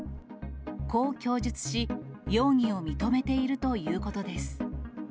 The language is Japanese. こう供述し、容疑を認めているということです。